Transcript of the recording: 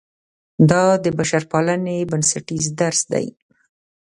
دا د بشرپالنې بنسټیز درس دی.